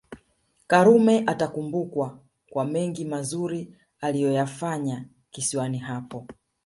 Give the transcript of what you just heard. Karume atakumbukwa kwa mengi mazuri aliyoyafanya kisiwani hapo